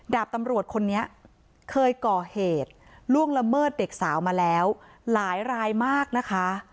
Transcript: ดาบตำรวจคนนี้เคยก่อเหตุล่วงละเมิดเด็กสาวมาแล้วหลายรายมากนะคะ